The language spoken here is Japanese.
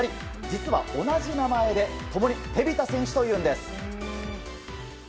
実は同じ名前で共にテビタ選手というんです。